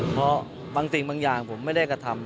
เพราะบางสิ่งบางอย่างผมไม่ได้กระทำ